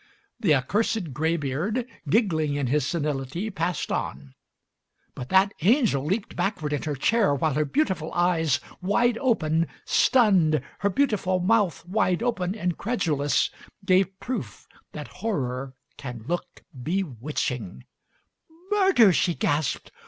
The accursed graybeard, giggling in his senility, passed on; but that angel leaped backward in her chair while her beautiful eyes, wide open, stunned, her beautiful mouth, wide open, incredulous, gave proof that horror can look bewitching. Digitized by Google 188 MARY SMITH " Murder !" she gasped.